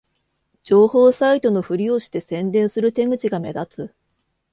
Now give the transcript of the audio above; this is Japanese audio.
情報サイトのふりをして宣伝する手口が目立つ